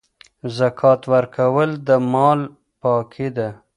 زکات ورکول د مال پاکي ده.